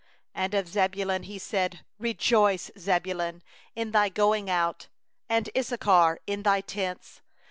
18And of Zebulun he said: Rejoice, Zebulun, in thy going out, And, Issachar, in thy tents.